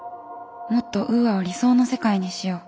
もっとウーアを理想の世界にしよう。